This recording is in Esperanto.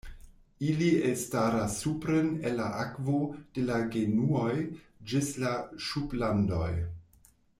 Ili elstaras supren el la akvo de la genuoj ĝis la ŝuplandoj.